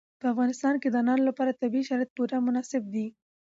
په افغانستان کې د انارو لپاره طبیعي شرایط پوره مناسب دي.